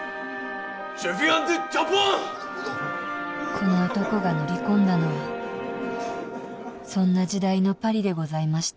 この男が乗り込んだのはそんな時代のパリでございました